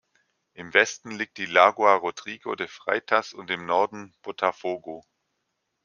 Im Westen liegt die Lagoa Rodrigo de Freitas und im Norden Botafogo.